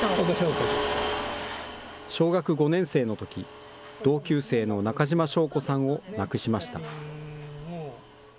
小学５年生のとき、同級生の中島祥子さんを亡くしました。